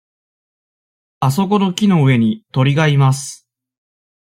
あそこの木の上に鳥がいます。